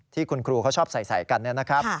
ที่คุณครูเขาชอบใส่กันนะครับ